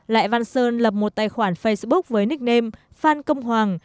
lại văn sơn lập một tài khoản facebook với nickname phan công hoàng